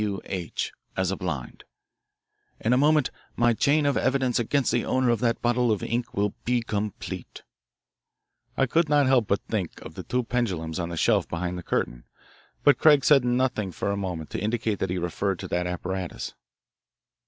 W. H.' as a blind. In a moment my chain of evidence against the owner of that bottle of ink will be complete." I could not help but think of the two pendulums on the shelf behind the curtain, but Craig said nothing for a moment to indicate that he referred to that apparatus.